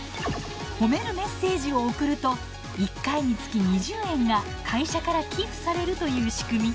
褒めるメッセージを送ると１回につき２０円が会社から寄付されるという仕組み。